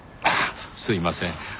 あっすいません